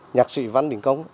nhạc sĩ văn đình công